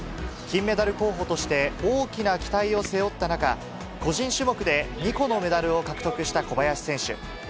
金メダル候補として、大きな期待を背負った中、個人種目で２個のメダルを獲得した小林選手。